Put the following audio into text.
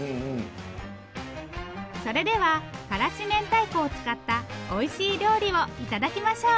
それでは辛子明太子を使ったおいしい料理を頂きましょう。